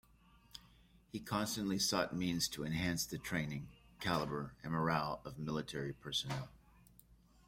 He constantly sought means to enhance the training, caliber, and morale of military personnel.